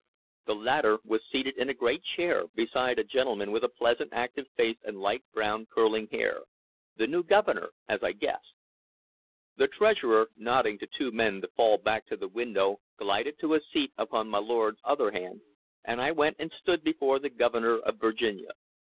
The latter was seated in a great chair, beside a gentleman with a pleasant active face and light brown curling hair, the new Governor, as I guessed. The Treasurer, nodding to the two men to fall back to the window, glided to a seat upon my lord's other hand, and I went and stood before the Governor of Virginia.